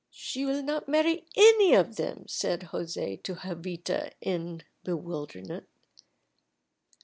"She will not marry any of them," said José to Jovita in bewilderment.